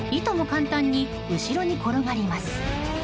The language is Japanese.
簡単に後ろに転がります。